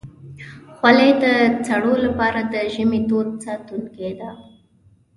خولۍ د سړو لپاره د ژمي تود ساتونکی ده.